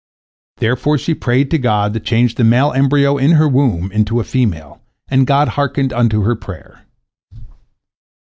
Therefore she prayed to God to change the male embryo in her womb into a female, and God hearkened unto her prayer.